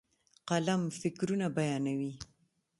قلم فکرونه بیانوي.